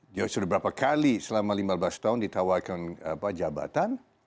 dia sudah berapa kali selama lima belas tahun ditawarkan jabatan